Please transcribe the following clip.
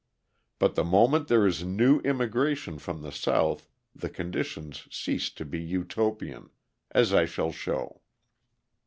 But the moment there is new immigration from the South the conditions cease to be Utopian as I shall show.